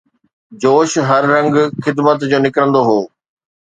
جوش، هر رنگ خدمت جو نڪرندو هو